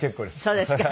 そうですか。